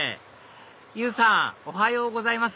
ユウさんおはようございます